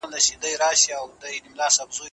خلګ وایي چي مینه یوازې یوه اړتیا ده.